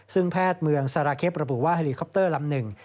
ซึ่งแพทย์เมืองซาราเคประบุว่าเฮลีคอปเตอร์ลำหนึ่ง